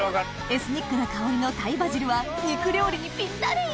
エスニックな香りのタイバジルは肉料理にピッタリ！